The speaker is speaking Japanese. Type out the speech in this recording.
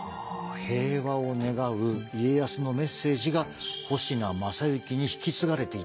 平和を願う家康のメッセージが保科正之に引き継がれていたんですね。